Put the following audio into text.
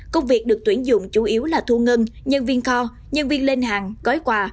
công việc được tuyển dụng chủ yếu là thu ngân nhân viên kho nhân viên lên hàng gói quà